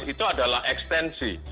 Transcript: itu adalah ekstensi